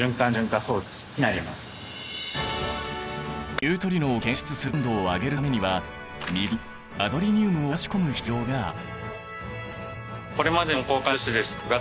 ニュートリノを検出する感度を上げるためには水にガドリニウムを溶かし込む必要がある。